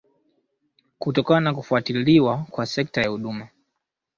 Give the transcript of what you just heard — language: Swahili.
kutokana na kufufuliwa kwa sekta ya huduma